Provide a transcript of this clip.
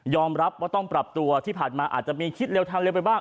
รับว่าต้องปรับตัวที่ผ่านมาอาจจะมีคิดเร็วทางเร็วไปบ้าง